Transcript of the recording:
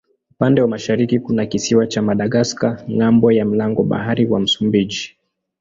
Upande wa mashariki kuna kisiwa cha Madagaska ng'ambo ya mlango bahari wa Msumbiji.